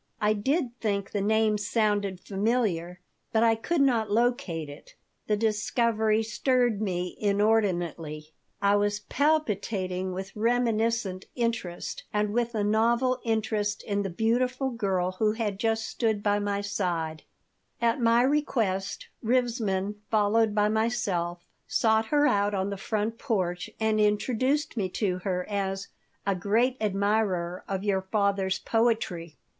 I did think the name sounded familiar, but I could not locate it." The discovery stirred me inordinately. I was palpitating with reminiscent interest and with a novel interest in the beautiful girl who had just stood by my side At my request Rivesman, followed by myself, sought her out on the front porch and introduced me to her as "a great admirer of your father's poetry."